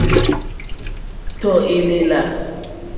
Tɔ̀ èlèlà.